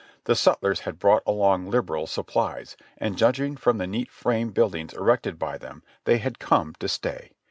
The sutlers had brought along liberal supplies, and judging from the neat frame buildings erected by them, they had come to stay.